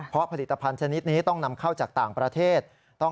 เพราะผลิตภัณฑ์ชนิดนี้ต้องนำเข้าจากต่างประเทศ